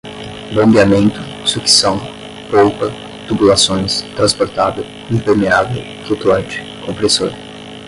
bombeamento, sucção, polpa, tubulações, transportada, impermeável, flutuante, compressor